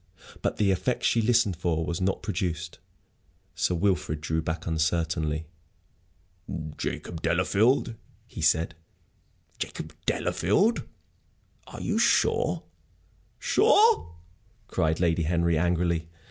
But the effect she listened for was not produced. Sir Wilfrid drew back uncertainly. "Jacob Delafield?" he said. "Jacob Delafield? Are you sure?" "Sure?" cried Lady Henry, angrily.